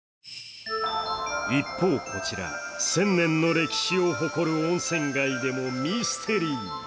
一方、こちら、１０００年の歴史を誇る温泉街でもミステリー。